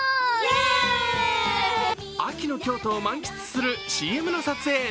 秋の京都を満喫するＣＭの撮影。